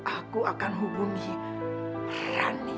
aku akan hubungi rani